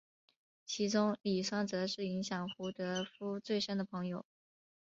其中李双泽是影响胡德夫最深的朋友。